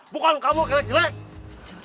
bukan kamu kelek kelek